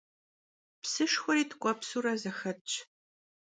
Psışşxueri tk'uepsure zexetş.